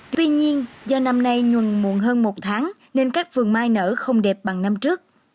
tuy nhiên do năm nay nhuần muộn hơn một tháng nên các phường mai nở không đẹp bằng năm trước